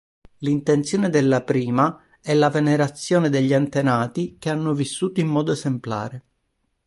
L'intenzione della prima è la venerazione degli "antenati" "che hanno vissuto in modo esemplare".